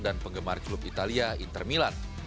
dan penggemar klub italia inter milan